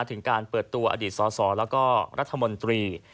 ถึงการเปิดตัวอดีตสสแล้วก็รัฐมนตรี